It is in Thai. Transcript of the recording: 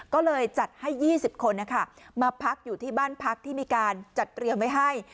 ก็เลยจัดให้๒๐คนมาพักอยู่ที่บ้านพักที่มีการจัดเตรียมไว้ให้